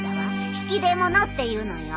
引き出物っていうのよ。